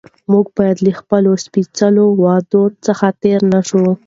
موږ باید له خپلو سپېڅلو وعدو څخه تېر نه شو